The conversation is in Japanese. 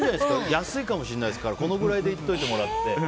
安いかもしんないですからこのくらいでいっておいてもらって。